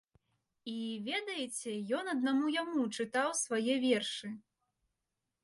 І, ведаеце, ён аднаму яму чытаў свае вершы!